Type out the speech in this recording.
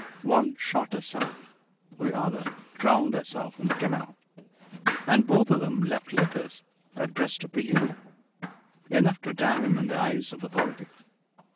One shot herself; the other drowned herself in the canal. And both of them left letters addressed to Pilleux enough to damn him in the eyes of authority.